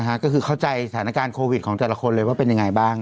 ก็คือเข้าใจสถานการณ์โควิดของแต่ละคนเลยว่าเป็นยังไงบ้าง